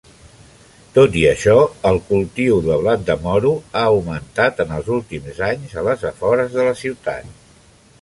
Tot i això, el cultiu de blat de moro ha augmentant en els últims anys a les afores de la ciutat.